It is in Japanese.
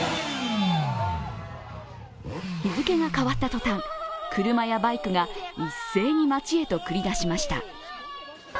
日付が変わった途端、車やバイクが一斉に街へと繰り出しました。